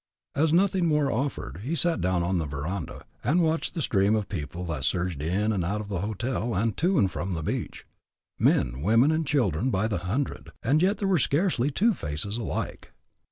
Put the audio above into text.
As nothing more offered, he sat down on the veranda, and watched the stream of people that surged in and out of the hotel, and to and from the beach men, women, and children by the hundred, and yet there were scarcely two faces alike.